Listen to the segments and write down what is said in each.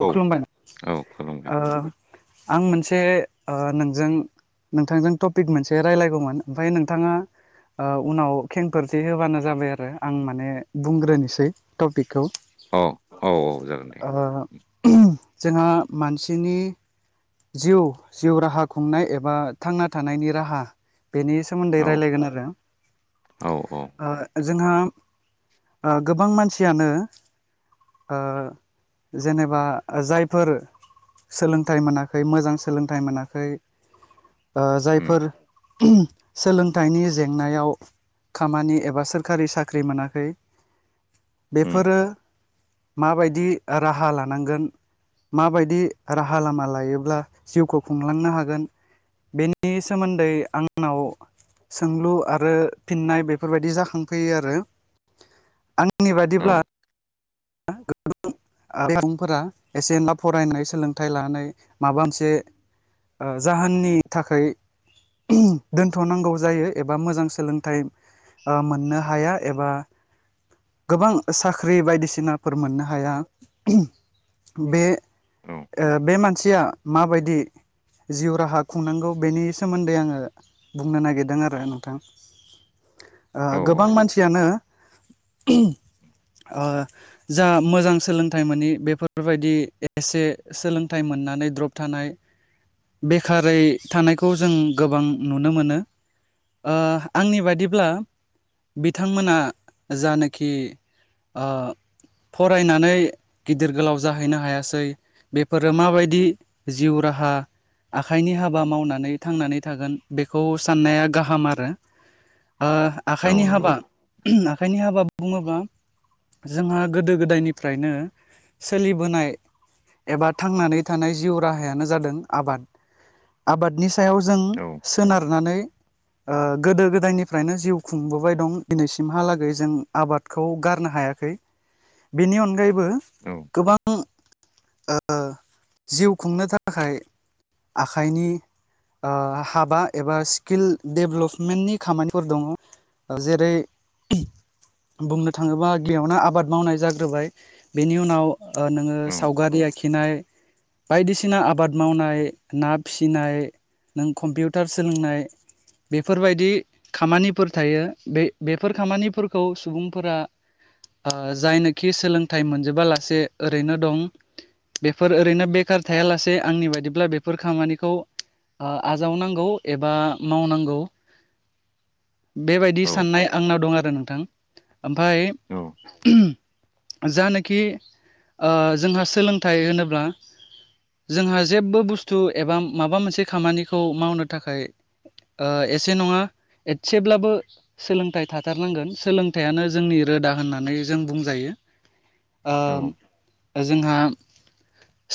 औ खुलुमबाय औ खुलुमबाय ओ आं मोनसे ओ नोंजों नोंथांजों टपिक मोनसे रायलायगौमोन ओमफाय नोंथाङा ओ उनाव खेंफोरथि होबानो जाबाय आरो आं माने बुंग्रोनोसै टपिक औ औ औ जागोन दे ओ उम। जोंहा मानसिनि जिउ जिउ राहा खुंनाय एबा थांना थानायनि राहा बेनि सोमोन्दै औ रायलायगोन आरो औ औ ओ जोंहा ओ गोबां मानसियानो ओ जेनेबा जायफोर सोलोंथाइ मोना खै मोजां सोलोंथाइ मोनाखै ओ उम जायफोर सोलोंथाइनि जेंनायाव खामानि एबा सोरखारि साख्रि मोनाखै उम बेफोरो माबायदि राहा लानांगोन माबायदि राहा लामा लायो ब्ला जिउखौ खुंलांनो हागोन बेनि सोमोन्दै आंनाव सोंलु आरो फिन्नाय बेफोरबायदि जाखांफैयो आरो। आंनि औ बादिब्ला गोबां सुबुंफोरा एसे एनला फरायनाय सोलोंथाइ लानाय माबा मोनसे ओ जाहोननि थाखै दोनथ'नांगौ जायो एबा मोजां सोलोंथाइ ओ मोननो हाया एबा गोबां साख्रि बायदिसिनाफोर मोननो हाया बे औ ओ बे मानसिया माबायदि जिउ राहा खुंनांगौ बेनि सोमोन्दै आङो बुंनो नागिरदों आरो नोंथां। ओ औ गोबां मानसियानो ओ जा मोजां सोलोंथाइ मोनि बेफोरबायदि एसे सोलोंथाइ मोन नानै द्रप थानाय बेखारै थानायखौ जों गोबां नुनो मोनो। ओ आंनि बादिब्ला बिथांमोना जानोखि ओ फरायनानै गिदिर गोलाव जाहैनो हायासै बेफोरो माबायदि जिउ राहा आखाइनि हाबा मावनानै थांनानै थागोन बेखौ साननाया गाहाम आरो। ओ औ औ आखाइनि नंगौ हाबा आखाइनि हाबा बुङोबा जोंहा गोदो गोदायनिफ्रायनो सोलिबोनाय एबा थांनानै थानाय जिउ राहायानो जादों आबाद आबादनि सायाव जों औ औ सोनारनानै ओ गोदो गोदायनिफ्रायनो जिउ खुंबोबाय दं दिनैसिमहालागै जों आबादखौ गारनो हाया। खै बिनि अनगायै बो औ गोबां ओ जिउ खुंनो थाखाय आखाइनि ओ हाबा एबा स्किल डेभलपमेन्टनि खामानिफोर दङ जेरै बुंनो थाङोबा गियावनो आबाद मावनाय जाग्रोबाय बेनि उनाव ओ नोङो सावगारि आखिनाय बायदिसिना आबाद मावनाय ना फिसिनाय नों कम्पिउटार सोलोंनाय बेफोरबायदि खामानिफोर थायो बे बेफोर खामानिफोरखौ सुबुंफोरा ओ जायनोखि सोलोंथाइ मोनजोबालासे ओरैनो दं बेफोर ओरैनो बे खार थायालासे आंनि बायदिब्ला बेफोर खामानिखौ ओ आजावनांगौ एबा मावनांगौ। बेबायदि औ साननाय आंनाव दं आरो नोंथां। ओमफाय जानोखि ओ जोंहा सोलोंथाइ होनोब्ला जोंहा जेबो बुस्थु एबा माबा मोनसे खामानिखौ मावनो थाखाय ओ एसे नङा एसेब्लाबो सोलोंथाइ थाथारनांगोन सोलोंथाइयानो जोंनि रोदा होननानै जों बुंजायो [inaudible] ओ जोंहा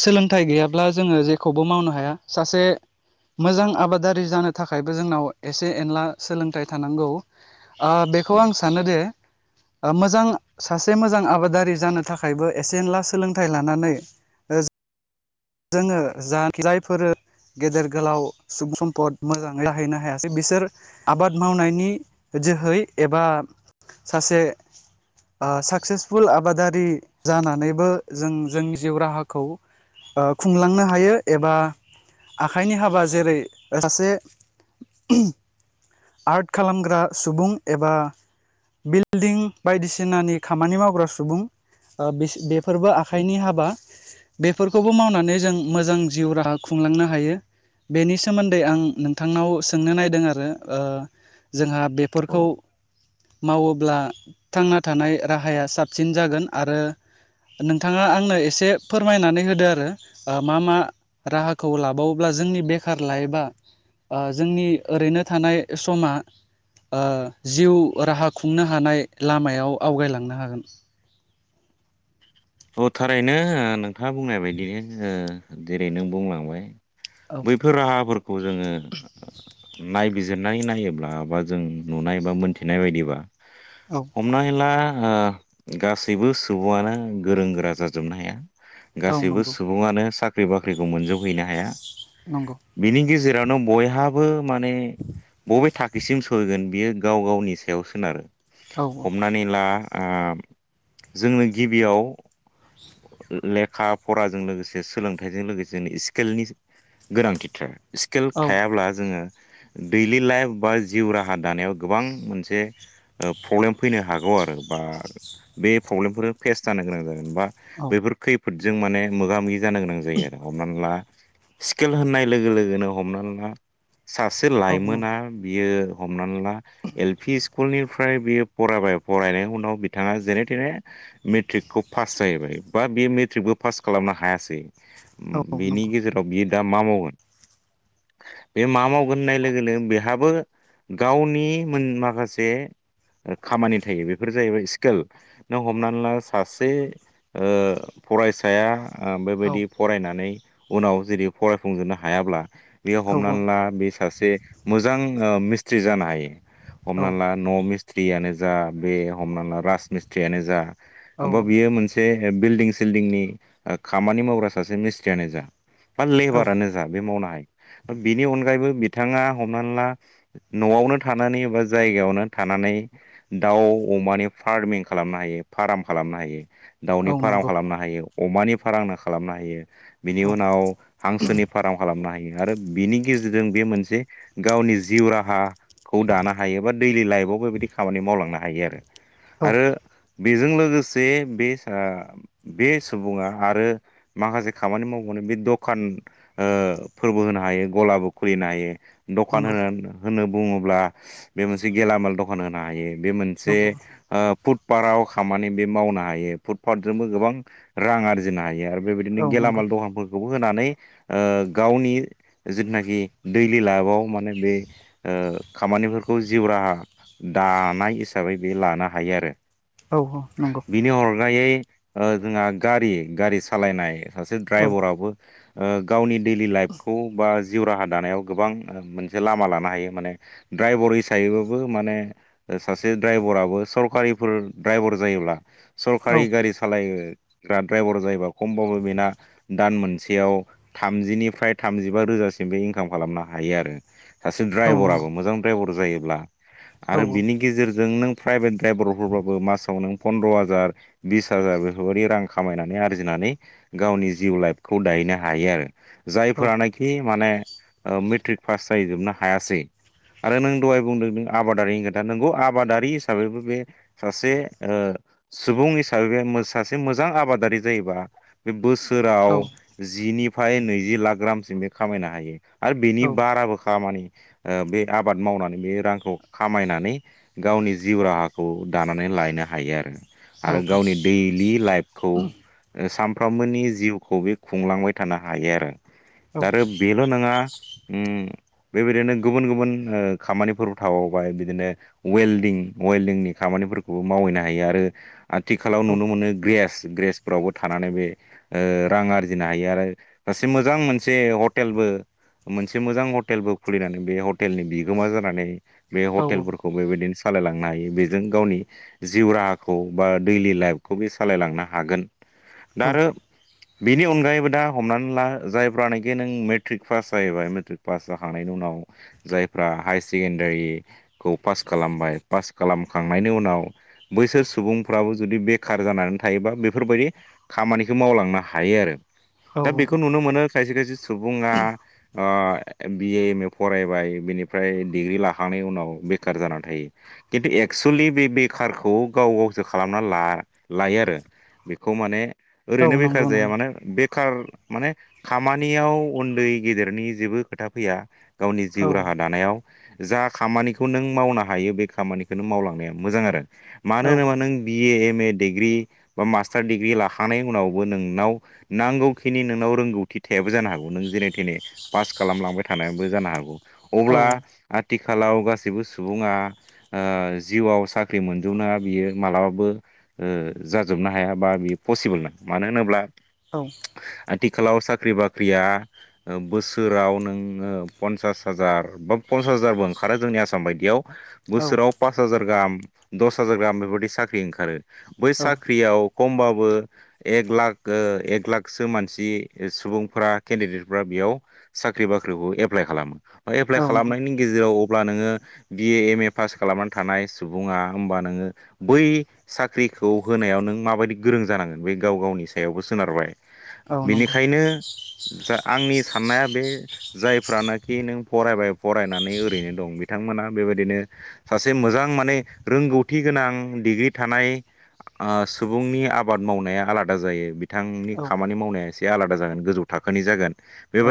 सोलोंथाइ गैयाब्ला जोङो जेखौबो मावनो हाया सासे मोजां आबादारि जानो थाखायबो जोंनाव एसे एनला सोलोंथाइ थानांगौ ओ बेखौ उम आं सानोदि ओ मोजां सासे मोजां आबादारि जानो थाखायबो एसे एनला सोलोंथाइ लानानै ओ जो उम जोङो जाहाकि जायफोरो गेदेर गोलाव सुबुं सम्पद मोजाङै जाहैनो हायासै बिसोर आबाद मावनायनि जोहै एबा सासे ओ साक्सेसफुल आबादारि जानानैबो जों जोंनि जिउ राहाखौ ओ खुंलांनो हायो एबा आखाइनि हाबा जेरै सासे आर्ट खालामग्रा सुबुं एबा बिल्डिं बायदिसिनानि खामानि मावग्रा सुबुं ओ बिसि बे फोरबो उम आखाइनि हाबा बेफोरखौबो मावनानै जों मोजां जिउ राहा खुंलांनो हायो बेनि सोमोन्दै आं नोंथांनाव सोंनो नायदों आरो ओ जोंहा औ बेफोरखौ मावोब्ला थांना थानाय राहाया साबसिन जागोन आरो नोंथाङा आंनो एसे फोरमायनानै होदो आरो ओ मा मा राहाखौ लाबावोब्ला जोंनि बेखार लाइफआ ओ जोंनि ओरैनो थानाय समा ओ जिउ राहा खुंनो हानाय लामायाव आवगायलांनो हागोन औ थारैनो नोंथाङा बुंनाय बायदिनो ओ जेरै नों बुंलांबाय औ बैफोर राहाफोरखौ जोङो नायबिजिरनानै नायोब्ला बा जों नुनाय बा मोनथिनाय बायदिबा औ हमनानै ला ओ गासैबो सुबुङानो गोरों गोरा जाजोबनो हाया औ गासैबो नंगौ सुबुङानो साख्रि ख्रि बाख्रिखौ मोनजोबहैनो हाया नंगौ बिनि गेजेरावनो बयहाबो माने बबे थाखोसिम सहैगोन बियो गाव गावनि सायाव सोनारो औ हमनानै ला ओ जोंनो गिबियाव लेखा फराजों लोगोसे सोलोंथाइजों लोगोसे स्केलनि गोनांथिथार स्केल औ थायाब्ला जोङो दैलि लाइफ बा जिउ राहा दानायाव गोबां मोनसे ओ प्रब्लेम फैनो हागौ आरो बा बे फब्लेमफोर फेस जानो गोनां जागोन बा औ बैफोर खैफोदजों माने मोगा मोगि जानो गोनां जायो आरो हमनानै ला स्केल होननाय लोगो लोगोनो हमनानै ला सासे औ नंगौ लाइमोना बियो हमनानै ला एल पि स्कुलनिफ्राय बियो फरायबाय फरायनायनि उनाव बिथाङा जेने थेने मेट्रिकखौ पास जाहैबाय बा बेयो मेट्रिकबो पास खालामनो हायासै औ बेनि नंगौ गेजेराव बियो दा मा मावगोन बे मा मावगोन होननाय लोगो लोगो बेहाबो गावनि मोन माखासे खामानि थायो बेफोर जाहैबाय स्केल नों हमनानै ला सासे ओ फरायसाया औ बेबायदि फरायनानै उनाव जेदि फरायफुंजोबनो हायाब्ला बेयो औ हमनानै ला बे सासे मोजां ओ मिस्थ्रि जानो हायो। हमनाला न' मि स्थ्रियानो जा बे हमना ला राज मिस्थ्रियानो जा औ अबावबा बियो मोनसे बिल्डिं सिल्डिंनि ओ खामानि मावग्रा सासे मिस्थ्रियानो जा बा औ लेबारानो जा बे मावनो हायो। बेनि अनगायैबो बिथाङा हमनानै ला न'आवनो थानानै बा जायगायावनो था नानै दाउ अमानि फार्मिं खालामनो हायो फाराम खालामनो हायो। दाउनि औ फाराम नंगौ खालामनो हायो। अमानि फारां खालामनो हायो। बिनि औ उनाव हांसोनि फार्म खालामनो हायो। आरो बिनि गेजेरजों बे मोनसे गावनि जिउ राहाखौ दानो हायो। बा दैलि लाइबाव बो बिदि खामानि मावलांनो हायो आरो। आरो बेजों लोगोसे बे सा बे सुबुङा आरो माखासे खामानि माव बावनो बे द'खान ओ फोरबो होनो हायो ग'लाबो खुलिनो हायो। द'खान नंगौ होना होनो बुङोब्ला बे मोनसे गेलामाल द'खान होनो हायो। बे मोनसे नंगौ ओ फुट पाराव खामानि बे मावनो हायो फुटपाटजोंबो गोबां रां आरजिनो हायो आरो बेबायदिनो औ नंगौ गेलामाल द'खानफोरखौबो होनानै ओ गावनि जिथुनाखि दैलि लाइबाव माने बे ओ ओ खामानिफोरखौ जिउ राहा दानाय हिसाबै बे लानो हायो आरो। औ नंगौ बिनि अरगायै ओ जोङा गारि गारि सालायनाय सासे औ ड्राइबराबो ओ गावनि दैलि लाइफखौ बा जिउ राहा दानायाव गोबां ओ मोनसे लामा लानो हायो। माने ड्राइबर हिसायैबाबो माने ओ सासे ड्राइबराबो सरकारि फोर ड्राइबर जायोब्ला औ सरकारि गारि सालायो। [unintelligible] ड्राइबर जायोबा खमबाबो बेना दान मोनसेयाव थामजिनिफ्राय थामजिबा रोजा सिमबो इंकाम खालामनो हायो आरो। सासे औ नंगौ ड्राइबराबो मोजां ड्राइबर जायोब्ला औ आरो बिनि गेजेरजों नों प्राइभेट ड्राइबर ब्रबाबो मासाव नों फन्द्र हाजार बिस हाजार बेफोरबायदि रां खामायनानै आरजिनानै गाव नि जिउ लाइफखौ दाहैनो हायो आरो। औ जायफोरानाखि माने ओ मेट्रिक पास जाहैजोबनो हायासै आरो नों दहाय बुंदों नों आबादारिनि खोथा नोंगौ आबादारि हिसाबैबो बे सासे ओ सुबुं हिसाबै बे मो सासे मोजां आबादारि जायोबा बे बो सोराव औ जिनिफ्राय नैजि लाख रामसिम बे खामायनो हायो। आरो बिनि बाराबो खामानि ओ बे आबाद मावनानै बे रांखौ खामायनानै गावनि जिउ राहाखौ दानानै लायनो हायो आरो आरो गावनि दैलि लाइफखौ ओ साम फ्रामबोनि जिउखौ बे खुंलांबाय थानो हायो आरो। दा आरो बेबो नोङा उम बेबायदिनो गुबुन गुबुन ओ खामानिफोरबो थाबावबाय बिदिनो वेल्डिं वेल्डिंनि खामानिफोरखौबो मावहैनो हायो आरो आथिखालाव नुनो मोनो ग्रेस ग्रेसफोरावबो थानानै बे ओ रां आरजिनो हायो आरो सासे मोजां मोनसे हटेलबो मोनसे मोजां हटेलबो खुलिनानै बे हटेलनि बिगोमा जानानै बे हटेलफोरखौ बिदिनो सालायलांनो हायो। बे जों गावनि जिउ राहाखौ बा दैलि लाइफखौ बे सालायलांनो हागोन। दा आरो बेनि अनगायैबो दा हमनानैला जायफ्रानोखि नों मेट्रिक पास जाहैबाय मेट्रिक पास जाखांनायनि उ नाव जायफ्रा हाइ सेकेण्डारिखौ पास खालामबाय पास खालाम खांनायनि उनाव बैसोर सुबुंफ्राबो जुदि बेखार जानानै थायोबा बेफोरबायदि खामानि खो मावलांनो हायो आरो। औ दा बेखौ नुनो मोनो खायसे खायसे सुबुङा ओ बिए एम ए फरायबाय बिनिफ्राय डिग्रि लाखांनायनि उनाव बेखार जानानै थायो। किन्थु एक सुलि बे बेखारखौ गाव गावसो खालामना ला-लायो आरो बेखौ माने औ ओरैनो बेखार नंगौ जाया नंगौ मानो बे खार माने खामानियाव उन्दै गेदेरनि जेबो खोथा फैया गावनि औ जिउ राहा दानायाव जा खामानिखौ नों मावनो हायो बे खामानिखौ मावलांनायाव मोजां आरो मानो औ होनोबा नों B A M A degree बा मास्तार दिग्री लाखांनाय उनाबो नोंनाव नांगौखिनि नोंनाव रोंगौथि था बो जानो हागौ नों जेने तेने पास खालामलांनाय बो जानो हागौ अब्ला आं आथिखालाव गासैबो सुबुङा ओ जिउआव साख्रि मोनजोबनाया बियो मालाबाबो जाजोबनो हाया बा बियो पसिबोलना मानो होनोब्ला औ आथिखालाव साख्रि बाख्रिया बोसोराव नोङो पन्सास हाजार बा पन्सास हाजारबो ओंखारो जोंनि आसाम बायदियाव औ बोसोराव पास हाजार गाहाम दस हाजार गाहाम बेबायदि साख्रि ओंखारो बै औ साख्रियाव कमबाबो एक लाख एक लाखसो मानसि सुबुंफोरा केन्दिदेटफ्रा यियाव साख्रि बाख्रिखौ एप्लाइ खालामो एप्लाइ औ नंगौ खालामनायनि गेजेराव अब्ला नोङो बि ए एम ए पास खालामनानै थानाय सुबुङा होमबा नोङो बै साख्रिखौ होनायाव नों माबायदि गोरोब गोरों जानांगोन बे गाव गावनि सायावबो सोनारबाय औ नंगौ बेनिखायनो जा आंनि साननाया बे जायफ्रानोखि नों फरायबाय फरायनानै ओरैनो दं बिथांमोना बेबायदिनो सासे मोजां माने रोंगौथि गोनां डिग्रि थानाय आ सुबुंनि आबाद मावनाया आलादा जायो बि बिथांनि औ खामानि मावनाया एसे आलादा जागोन गोजौ थाखोनि जागोन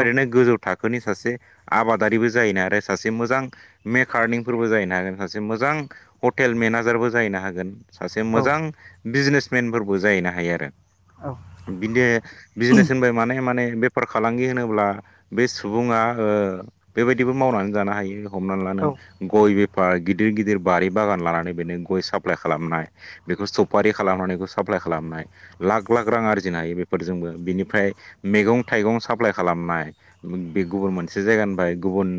औ गोजौ था फोरनि सासे आबादारिबो जायैनो आरो सासे मोजां मेकारनिंफोरबो जायोना नायनानै सासे मोजां हटेल मेनाजारबो जाहैनो हागोन सासे औ मोजां बिजिनेस प्लेन फोरखौ जाहैनो हायो आरो औ बिदि बिजनेस होनबाय माने माने बेफार फालांगि होनोब्ला बे सुबुङा ओ बेबायाददिबो मावनानै जानो हायो हमनानै ला औ नों गय बे फार गिदिर गिदिर बारि बागान लानानै बेदिनो गय साप्लाइ खालामनाय बेखौ सफारि खालामनानै बेखौ साप्लाइ खालामनाइ लाग लाग रां आरजिनो हायो बे फोरजोंबो बिनिपाइ मैंगं थाइंगं साप्लाइ खालामनाय [unintelligible] बे गुबुन मोनसे जायगाानिफ्राय गुबुन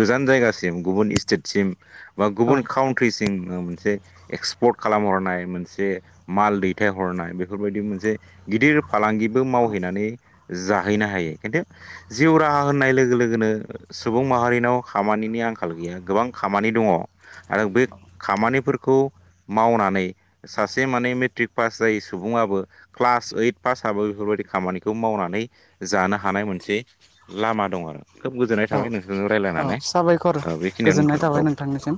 गोजान जायगासिम गुबुन स्टेटसिम बा गुबुन काउन्ट्रिसि मोनसे एक्सपर्ट खालामहरनाय मोनसे माल दै हरनाय बेफोरबायदि मोनसे गिदिर फालांगिबो मावहैनानै जाहैनो हायो खिन्थु जिउ राहा होननाय लोगो लोगोनो सुबुं माहारिनाव खामानिनि आंखाल गैया गोबां खामानि दङ आरो बे खामानिफोरखौ मावनानै सासे माने मे ट्रिक पास जायै सुबुङाबो क्लास ओइट पासाबो बेफोरबायदि खामानिखौ मावनानै जानो हानाय मोनसे लामा दं आरो खोब गोजोननाय औ थाबाय नोंथांजों रायजलायनानै ओ बेखिनियावनो दोनथ'बाय। बाय नोंथांनिसिम